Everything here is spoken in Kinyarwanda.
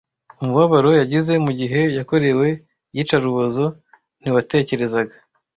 Umubabaro yagize mugihe yakorewe iyicarubozo ntiwatekerezaga.